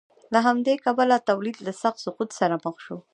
له همدې کبله تولید له سخت سقوط سره مخ شو